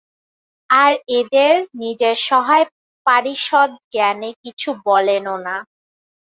আর এদের, নিজের সহায়-পারিষদ জ্ঞানে কিছু বলেনও না।